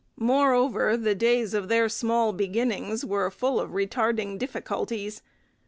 Moreover, the days of their small beginnings were full of retarding difficulties.